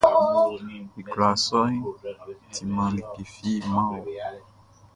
I kwlaa sɔʼn timan like fi man wɔ.